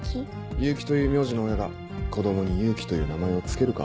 「ゆうき」という苗字の親が子供に「ゆうき」という名前を付けるか？